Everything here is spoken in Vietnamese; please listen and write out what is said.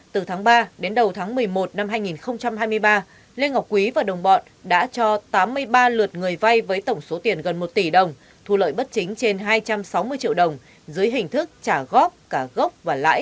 từ tháng ba đến đầu tháng một mươi một năm hai nghìn hai mươi ba lê ngọc quý và đồng bọn đã cho tám mươi ba lượt người vay với tổng số tiền gần một tỷ đồng thu lợi bất chính trên hai trăm sáu mươi triệu đồng dưới hình thức trả góp cả gốc và lãi